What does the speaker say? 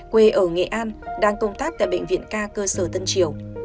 quê ở nghệ an đang công tác tại bệnh viện ca cơ sở tân triều